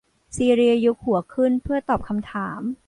ซีเลียยกหัวขึ้นเพื่อตอบคำถาม